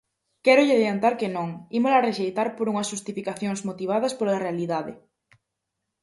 Quérolle adiantar que non, ímola rexeitar por unhas xustificacións motivadas pola realidade.